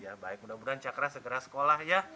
ya baik mudah mudahan cakra segera sekolah ya